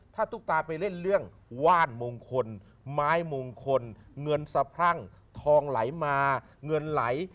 ถ้าตุ๊กตาไปเล่นเรื่องว่านมงคลไม้มงคลเงินสะพรั่งทองไหลมาเงินไหล